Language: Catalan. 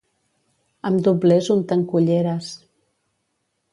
Amb doblers unten culleres...